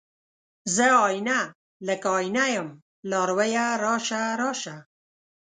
زه آئينه، لکه آئینه یم لارویه راشه، راشه